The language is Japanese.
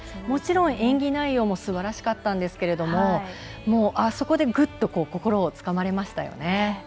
もちろん演技内容もすばらしかったんですけどあそこで、グッと心をつかまれましたね。